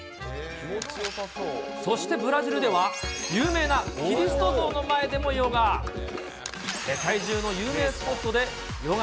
そしてブラジルでは、有名なキリスト像の前でもヨガ。